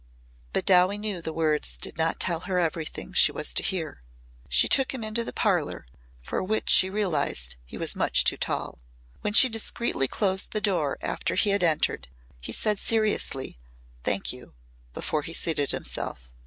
But Dowie knew the words did not tell her everything she was to hear. She took him into the parlour for which she realised he was much too tall. When she discreetly closed the door after he had entered, he said seriously, "Thank you," before he seated himself.